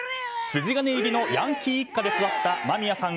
筋金入りのヤンキー一家で育った間宮さん